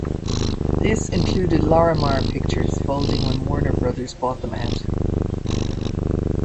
This included Lorimar Pictures folding when Warner Brothers bought them out.